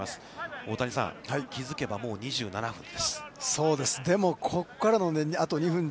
大谷さん、気づけばもう２７分です。